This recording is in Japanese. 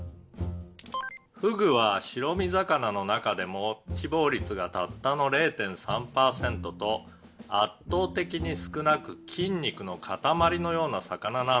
「フグは白身魚の中でも脂肪率がたったの０．３パーセントと圧倒的に少なく筋肉の塊のような魚なんです」